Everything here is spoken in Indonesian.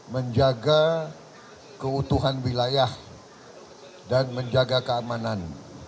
menjaga keutuhan wilayah dan menjaga keamanan